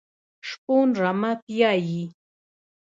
شپون رمه پیایي .